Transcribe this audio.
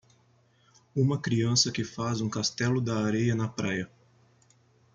Uma criança que faz um castelo da areia na praia.